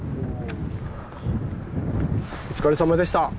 お疲れさまでした！